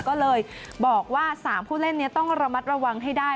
ก็เลยบอกว่า๓ผู้เล่นนี้ต้องระมัดระวังให้ได้